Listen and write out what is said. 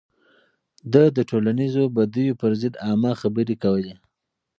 ده د ټولنيزو بديو پر ضد عامه خبرې کولې.